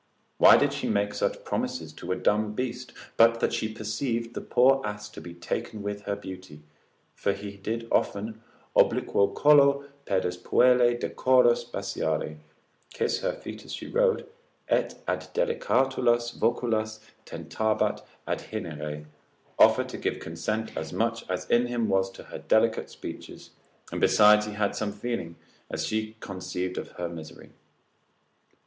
why did she make such promises to a dumb beast? but that she perceived the poor ass to be taken with her beauty, for he did often obliquo collo pedes puellae decoros basiare, kiss her feet as she rode, et ad delicatulas voculas tentabat adhinnire, offer to give consent as much as in him was to her delicate speeches, and besides he had some feeling, as she conceived of her misery.